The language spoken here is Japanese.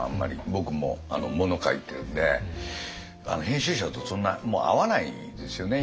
僕も物書いてるんで編集者とそんな会わないですよね